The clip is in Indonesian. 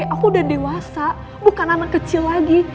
aku udah dewasa bukan anak kecil lagi